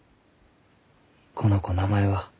この子名前は？